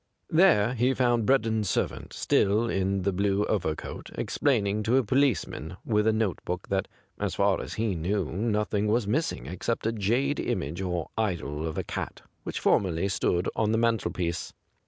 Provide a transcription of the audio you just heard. There he found Breddon's sei'vant, still in the blue overcoat, explaining to a policeman with a notebook that as far as he knew nothing was miss ing except a jade image or idol of a cat which formerly stood on the mantelpiece.